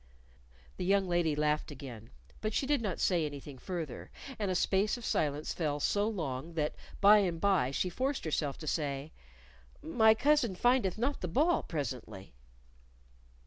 The young lady laughed again, but she did not say anything further, and a space of silence fell so long that by and by she forced herself to say, "My cousin findeth not the ball presently."